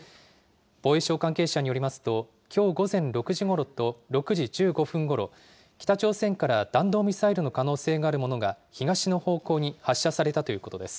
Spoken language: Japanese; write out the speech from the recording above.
防衛省関係者によりますと、きょう午前６時ごろと６時１５分ごろ、北朝鮮から弾道ミサイルの可能性があるものが、東の方向に発射されたということです。